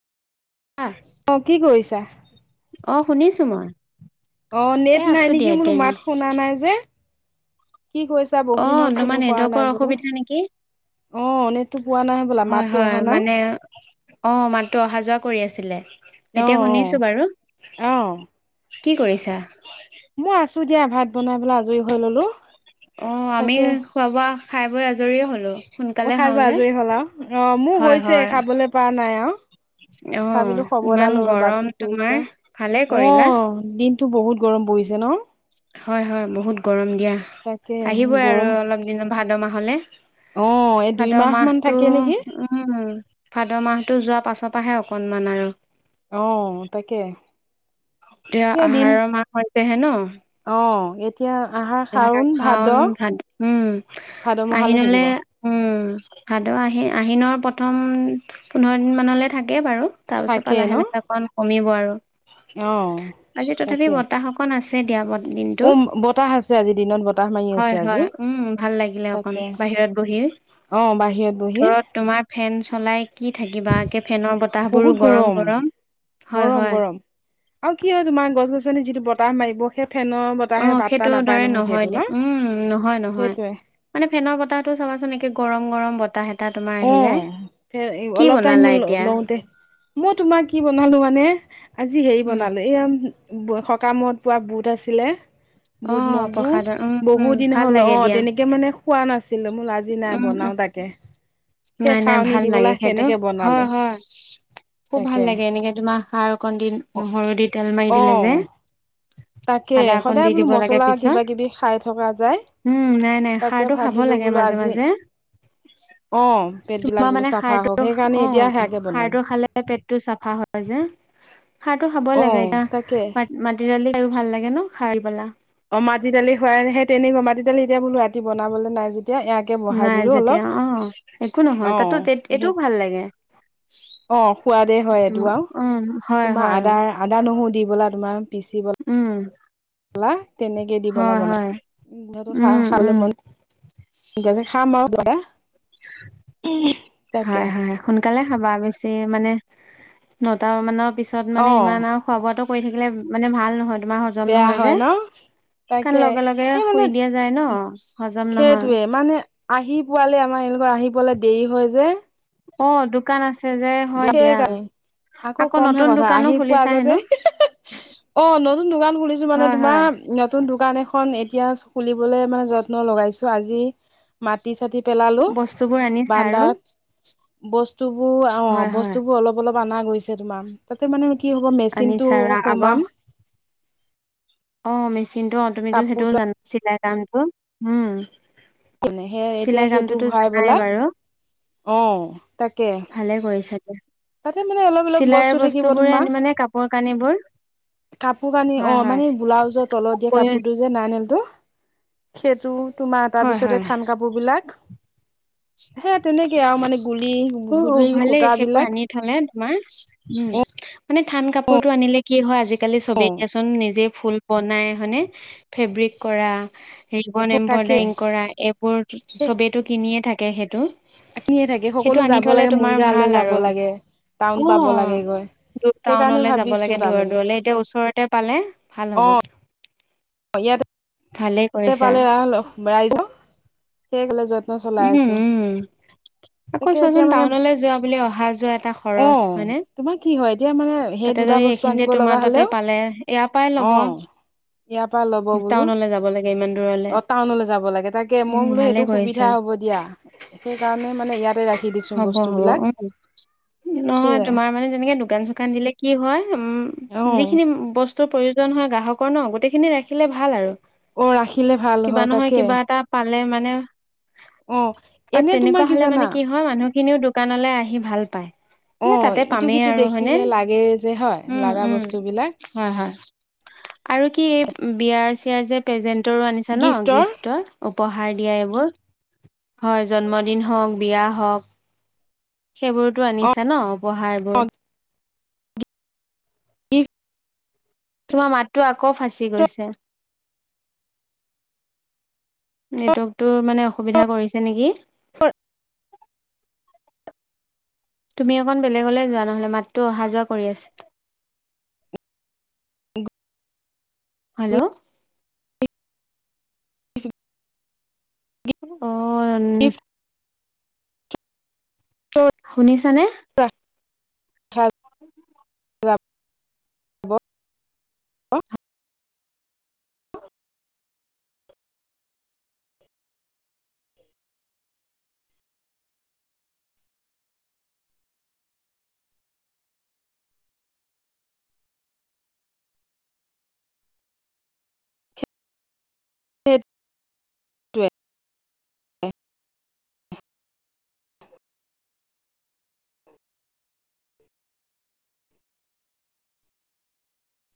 অঁ কি কৰিছা? অঁ, শুনিছো মই। অঁ, এ নেট নাই আছো নেকি দিয়া মোৰ এতিয়া এনেই মাত শুনা নাই যে। কি কৈ ছা অ বহুদিন হল তোমাৰ ফনো কৰা নেটৱৰ্কৰ নাই বোলো। অসুবিধা নেকি অঁ, নেটটো পোৱা নাই হবলা মাতটো অহা নাই। অঁ, মাতটো অহা যোৱা কৰি আছিলে, অ অ এতিয়া শুনিছো বাৰু। অ কি কৰিছা? মই আছো দিয়া, ভাত বনাই পেলাই আজৰি হৈ ল'লো। অঁ, আমি তাকে খোৱা বোৱা, খাই বৈ আজৰিয়ে হ'লো। অ, সোনকালে খাই খাওঁ বৈ যে আজৰি হ'লা, অঁ, মোৰ হয় হৈছে হয় খাবলৈ পাৱা নাই আও। অ ভাবিলো খবৰ এটা ইমান লও ৰ'বা, গৰম কি তোমাৰ কৰিছা? ভালে কৰিলা অঁ। দিনতো বহুত গৰম পৰিছে ন'? হয় হয়, বহুত গৰম দিয়া, তাকে আহিবই আৰু গৰম অলপ দিনৰ ভাদ মাহলে। অ এই ভাদ দুইমাহ মান মাহটো থাকে নেকি উম, ভাদ মাহটো যোৱাৰ পাছৰ পৰাহে অকনমান আৰু। অঁ, তাকে। এয়া, আহাৰৰ মাহ হৈছেহে ন'? অঁ, এই এতিয়া আ হাৰ শাওন, ভাদ, উম ভাদ মাহলৈ আহিনলে থাকিব উম, ভাদ আহি আহিনৰ প্ৰথম পোন্ধৰ দিন মানলৈ থাকে বাৰু। তাৰপিছৰ পৰা থাকে ন লাহে লাহে অকন কমিব আৰু। অ আজি তাকে তথাপিও বতাহ অক অকণ আছে দিয়া বাৰু দিনটো। তাহ আছে, আজি দিনত বতাহ মাৰি আছে হয় আজি হয়, উম ভাল লাগিলে অকন তাকে বাহিৰত বহি, অ বাহিৰত বহি ঘৰত তোমাৰ ফেন চলাই কি থাকিবা? একে ফেনৰ বতাহবোৰো গৰম গৰম, হয় গৰম হয়। গৰম আৰু কি হয় তোমাৰ, গছ গছনি যিটো বতাহ মাৰিব। সেই ফেনৰ বতাহে অ', পাত্তা সেইটোৰ নাপায় দৰে নহয় সেইটো ন দিয়া, উম নহয় নহয়। সেইটোৱে মানে ফেনৰ বতাহটো চাবাচোন, একে গৰম-গৰম বতাহ এটা তোমাৰ অ আহি যায়। কি অলপ টাইম বনালা এতিয়া? লওঁতে মই তোমাৰ কি বনালো মানে, আজি হেৰি উম বনালো এইয়া বৌয়ে সকামত পোৱা বুট আছিলে। অ বুট মগু, প্ৰসাদৰ উম বহু উম দিন ভাল হ'ল লাগে অ', দিয়া তেনেকে মানে খোৱাই নাছিলো, মো লো আজি নাই উম উম বনাওঁ তাকে। সেই নাই নাই খাৱনি ভাল দি লাগে পেলাই সেইটো। সেনেকে বনালো হয়, হয়। খুব ভাল তাকে লাগে এনেকে তোমাৰ খাৰ অকণ দি, অ নহৰু দি তেল মাৰি অ দিলে যে তাকে আদা অকণ সদায় দি বোলো দিব লাগে মছলা পিছত। কিবা কিবি খাই থকা যায় উম, নাই নাই তাকে খাৰটো খাব ব ভাবিলো লাগে বোলো আজি মাজে-মাজে। অ পেট বিলাক তোমাৰ বোলো মানে চাফা হওক খাৰটো, সেইকাৰণে এতিয়া অ' সেয়াকে বনালো খাৰটো খালে পেটটো চাফা হয় যে। খাৰটো খাব অ লাগে তাকে মাটি দালি খাইয়ো ভাল লাগে ন', খাৰ পেলা। অ', মাটি দালি খুৱাইহে তেনেকুৱা, মাটি দালি এতিয়া বোলো ৰাতি বনাবলৈ নাই যেতিয়া, এয়া নাই যেতিয়া অ', একো অ নহয়, তাতো সেই এইটোও ভাল লাগে। অ', সোৱাদে হয় এইটো তোমাৰ আও। উম হয় তোমাৰ হয় আদাৰ আদা-নহৰু, দি বলা তোমাৰ পিচিব উম। লা, তেনেকে দি বলা হয় বনাই। হয় উম, উম, এতিয়া যে খাম আও কিবা এটা। হয়, হয়। সোনকালে খাবা, বেছি মানে নটা মানৰ পিছত মানে অ ইমান আও খোৱা-বোৱাটো কৰি থাকিলে মানে ভাল নহয়, তোমাৰ হজম বেয়া নহয় হয় যে। ন কাৰণ, তাকে লগে-লগে এই মানে শুই দিয়া যায় ন' হজম নহয়। সেইটোৱে মানে আহি পোৱালে আমাৰ এওঁলোকৰ আহি পোৱালে দেৰি হয় যে! অ', দোকান আছে যে হয় দিয়া [unintelligible] আকৌ কমহে নতুন কথা দোকানো আহি পোৱা খুলিছা আগতে হেনো অ' নতুন দোকান খুলিছো মানে হয়, তোমা হয়, নতুন দোকান এখন এতিয়া খুলিবলৈ মানে যত্ন লগাইছো আজি মাটি চাটি পেলালো বস্তুবোৰ আনিছা আৰু বান্দাত! বস্তুবোৰ অ' হয়, হয়। বস্তুবোৰ অলপ অলপ অনা গৈছে তোমা! তাতে মানে কি হ'ব' মেচিনটো আনিছা আৰু সোমাম। অ'মেচিনটো অ' তুমিতো কাপোৰ সেইটোও জানা চিলাই কামটো! উম এনেহে এতিয়া চিলাই সেইটো কামটোতো ভৰাই জানাই পেলাই বাৰু অ' তাকে। ভালে কৰিছা দিয়া। তাতে মানে অলপ অলপ চিলাইৰ বস্তু দেখিব বস্তুবোৰে তোমা আনি মানে কাপোৰ কানিবোৰ কাপোৰ কানি হয়, অ' হয়। মানে বোলাউজৰ তলত দিয়ে হয় কাপোৰটো যে নাইনলটো, সেইটো তোমাৰ তাৰ পিছতে হয়। থান কাপোৰ বিলাক হে তেনেকে আৰু মানে গুলি গুলিৰ সূতা বিলাক তমাৰ উম, মানে থান কাপোৰটো আনিলে কি হয় আজিকালি অ' চবেইচোন নিজে ফুল বনাই হয়নে? ফেব্ৰিক কৰা, ৰিবন তাকে এম্ব্ৰইডাৰিং কৰা এইবোৰ চবেইেতটো কিনিয়ে থাকে সেইটো। [unintelligible] থাকে। সেইটো সকলো আনি যাব থলে লাগে তোমাৰ মৰিগাঁৱলৈ ভাল যাব আৰু লাগে, টাউন পাব লাগে গৈ। দূ সেইকাৰণে টাউনলৈ যাব ভাবিছো লাগে দূৰ তাৰমানে দূৰলে। এতিয়া ওচৰতে পালে ভাল হ'ব! অ' ইয়াতে ভালে পালে ৰা ৰাইজৰ, সেই কলে যত্ন চলাই উম আছোঁ। উম আকৌ চোৱাচোন টাউনলৈ যোৱা বুলি অহা যোৱা এটা অ খৰচ হয়নে, তোমাৰ কি হয় এতিয়া মানে সেই তাতে দুটা যদি বস্তু এইখিনিতে আনিব লগা তোমাৰ তাতে হলেও পালে, ইয়াৰ পৰাই অ লব। ইয়াৰ পৰা ল'ব বোলো। টাউনলৈ যাব লাগে ইমান দূৰলৈ। অ', টাউনলৈ যাব লাগে, তাকে মই বোলো সেইটো কৰিছা সুবিধা হ'ব দিয়া। সেইকাৰণে মানে ইয়াতে ৰাখি দিছোঁ হ'ব হ'ব বস্তুবিলাক, উম নহয় সেয়াই। তোমাৰ মানে তেনেকে দোকান চোকান দিলে কি হয়, উম, অ যিখিনি বস্তুৰ প্ৰয়ো জনহয় গ্ৰাহকৰ ন গোটেইখিনি ৰাখিলে ভাল আৰু। অ' ৰাখিলে ভাল কিবা হয় নহয় তাকে। কিবা এটা পালে মানে অ'। অ', এনে তোমাৰ তেনেকুৱা হ'লে জানা মানে কি হয় মানুহখিনিও দোকানলৈ আহি ভাল পায়। অ এ তাতে ইটো পামেই সিটো আৰু হয় নে, দেখিলে লাগে যে হয় উম, লাগা উম। বস্তুবিলাক হয়, হয়, আৰু কি এই বিয়াৰ চিয়াৰ যে প্ৰেজেন্টৰো আনিছা ন গিফ্টৰ উপহাৰ দিয়া এইবোৰ। হয়, জন্মদিন হওঁক, বিয়া হওঁক সেইবোৰতো অ আনিছা ন, উপহাৰ বোৰ। ইফ তোমাৰ মাতটো আকৌ ফাঁচি গৈছে। নেটৱৰ্কটো মানে অসুবিধা কৰিছে নেকি। [inaudible] তুমি অকণ বেলেগলৈ যোৱা নহ'লে, মাতটো অহা যোৱা কৰি আছে। হেল্ল'। [inaudible] অ', [unintelligible] শুনিছানে? [unintelligible] [unintelligible] [unintelligible] [unintelligible]